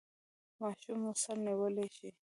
ماشوم مو سر نیولی شي؟